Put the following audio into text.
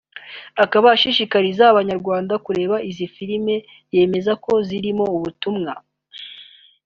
akaba ashishikariza Abanyarwanda kureba izi filime yemeza ko zirimo ubutumwa